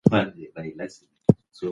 ستوري د انفجار پر وخت مضر تشعشع خپروي.